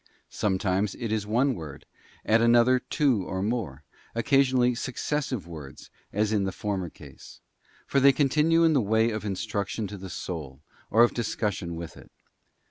Sometimes it is one word, at another two or more, and occa sionally successive words, as in the former case: for they continue in the way of instruction to the soul, or of discussion with it.